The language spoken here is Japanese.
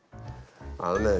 あのね